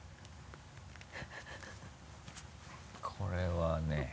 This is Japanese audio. これはね。